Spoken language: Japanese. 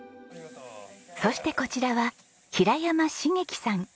そしてこちらは平山茂樹さん。